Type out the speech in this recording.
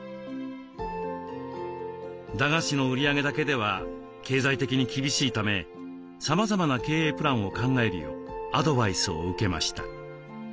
駄菓子の売り上げだけでは経済的に厳しいためさまざまな経営プランを考えるようアドバイスを受けました。